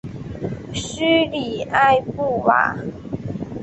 叙里埃布瓦。